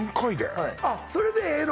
はいあっそれでええの？